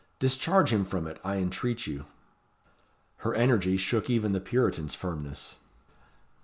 Discharge him from it, I entreat you." Her energy shook even the Puritan's firmness.